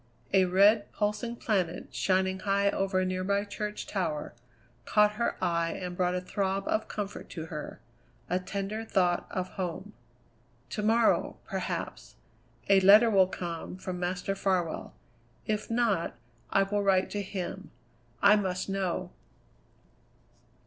A red, pulsing planet, shining high over a nearby church tower, caught her eye and brought a throb of comfort to her a tender thought of home. "To morrow, perhaps, a letter will come from Master Farwell; if not, I will write to him. I must know."